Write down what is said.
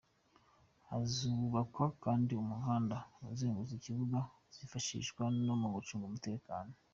Hazubakwa kandi umuhanda uzengurutse ikibuga uzifashishwa no mu gucunga umutekano.